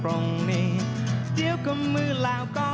สนุนโดยอีซุสุข